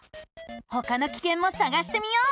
ほかのキケンもさがしてみよう！